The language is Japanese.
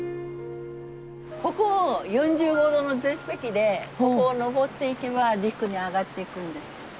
ここ４５度の絶壁でここを登っていけば陸に上がっていくんです。